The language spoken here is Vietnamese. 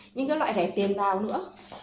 nhưng các loại rẻ tiền vào nữa